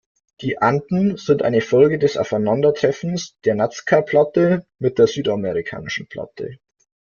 Die Anden sind eine Folge des Aufeinandertreffens der Nazca-Platte mit der Südamerikanischen Platte.